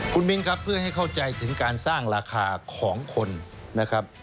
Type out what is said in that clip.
คุณมิ้นครับเพื่อให้เข้าใจถึงการสร้างราคาของคนนะครับ